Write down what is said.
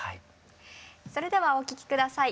それではお聴き下さい。